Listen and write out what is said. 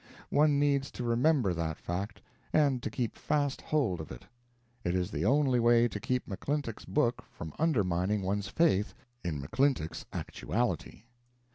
One needs to remember that fact and to keep fast hold of it; it is the only way to keep McClintock's book from undermining one's faith in McClintock's actuality.